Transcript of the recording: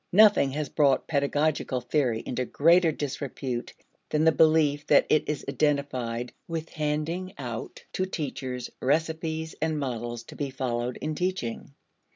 Nothing has brought pedagogical theory into greater disrepute than the belief that it is identified with handing out to teachers recipes and models to be followed in teaching.